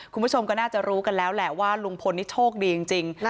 คุณผู้ชมก็น่าจะรู้กันแล้วแหละว่าลุงพลนี่โชคดีจริง